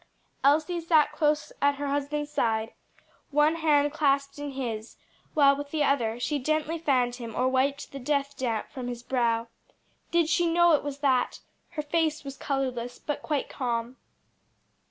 Elsie sat close at her husband's side, one hand clasped in his, while with the other she gently fanned him or wiped the death damp from his brow. Did she know it was that? Her face was colorless, but quite calm.